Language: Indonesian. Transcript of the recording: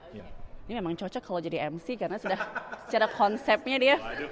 ini memang cocok kalau jadi mc karena sudah secara konsepnya dia